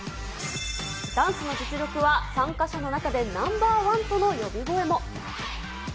ダンスの実力は、参加者の中でナンバー１との呼び声も。